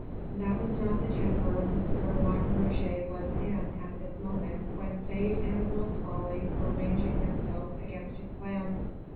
That was not the temper M. Martin Roget was in at this moment when Fate and a girl's folly were ranging themselves against his plans.